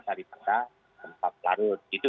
daripada tanpa pelarut